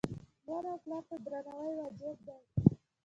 مور او پلار ته درناوی واجب دی